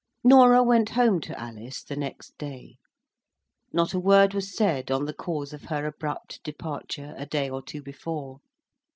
Norah went home to Alice the next day. Not a word was said on the cause of her abrupt departure a day or two before.